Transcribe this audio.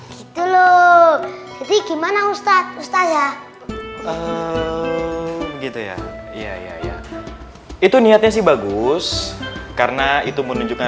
gitu loh itu gimana ustadz ustadz ya gitu ya iya iya itu niatnya sih bagus karena itu menunjukkan